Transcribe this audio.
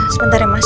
sebentar ya mas